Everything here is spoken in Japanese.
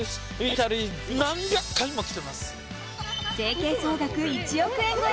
整形総額１億円超え